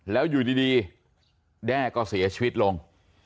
แล้วอยู่ดีแด้ก็เสียชีวิตลง